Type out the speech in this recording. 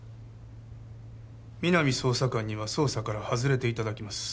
皆実捜査官には捜査から外れていただきます